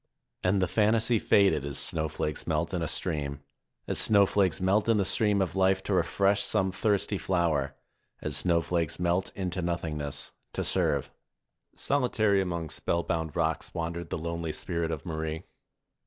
And the fantasy faded as snowflakes melt in a stream, as snowflakes melt in the stream of life to refresh some thirsty flower, as snowflakes melt into nothingness, to serve. Solitary among spellbound rocks wandered the lonely spirit of Marie.